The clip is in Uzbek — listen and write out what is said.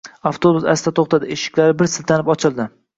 Avtobus asta to’xtadi, eshiklari bir siltanib, ochildi.